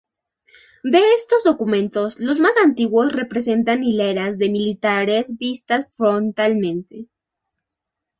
De estos documentos, los más antiguos representan hileras de militares vistas frontalmente.